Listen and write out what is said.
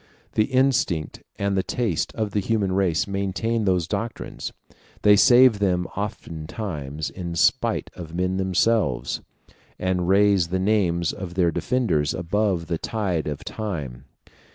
The instinct and the taste of the human race maintain those doctrines; they save them oftentimes in spite of men themselves, and raise the names of their defenders above the tide of time.